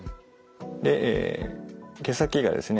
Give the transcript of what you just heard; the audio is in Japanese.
え毛先がですね